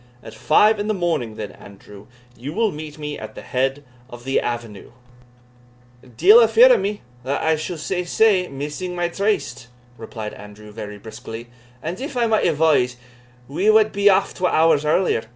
"At five in the morning, then, Andrew, you will meet me at the head of the avenue." "Deil a fear o' me (that I suld say sae) missing my tryste," replied Andrew, very briskly; "and if I might advise, we wad be aff twa hours earlier.